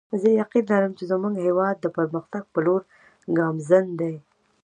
زه یقین لرم چې زموږ هیواد د پرمختګ په لور ګامزن دی